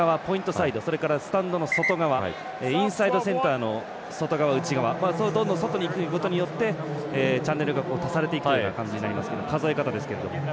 サイドそれからスタンドの外側インサイドセンターの外側、内側どんどん外にいくことによってチャンネルが足されていくような感じになります。